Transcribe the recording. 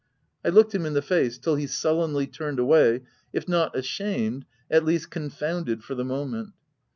I looked him in the face, till he sullenly turned away, if not ashamed, at least confounded for the moment.